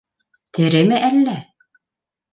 Тереме әллә?